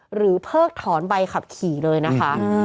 หรือเพิ่งถอนใบขับขี่เลยนะคะ